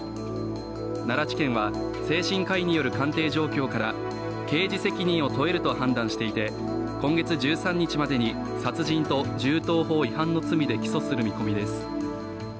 奈良地検は精神科医による鑑定状況から刑事責任を問えると判断していて今月１３日までに殺人と銃刀法違反の罪で起訴する見込みです。